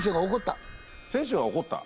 選手が怒った？